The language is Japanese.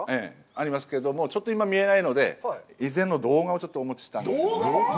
ありますけども、ちょっと今見えないので、以前の動画をお持ちしたんですけど。